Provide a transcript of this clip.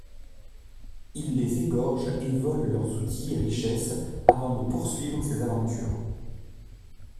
Il les égorge et vole leurs outils et richesses, avant de poursuivre ses aventures.